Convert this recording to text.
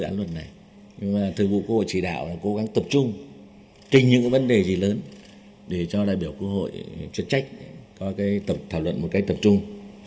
nhưng mà thư vụ quốc hội chỉ đạo là cố gắng tập trung trên những vấn đề gì lớn để cho đại biểu quốc hội truyền trách có thảo luận một cách tập trung